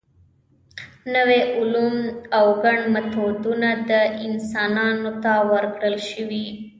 نوي علوم او ګڼ میتودونه انسانانو ته ورکړل شوي.